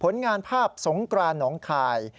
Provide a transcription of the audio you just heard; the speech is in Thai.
ผลงานภาพสงกรานหนองคาย